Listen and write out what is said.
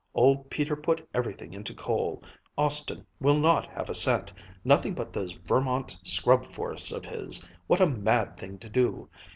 Old Peter put everything into coal. Austin will not have a cent nothing but those Vermont scrub forests of his. What a mad thing to do!